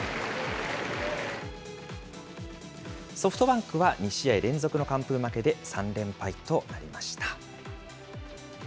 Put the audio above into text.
ソフトバンクは２試合連続の完封負けで３連敗となりました。